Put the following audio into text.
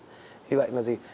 như vậy là gì